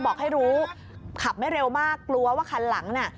บอกให้รู้ขับไม่เร็วมากกลัวว่าคันหลังน่ะ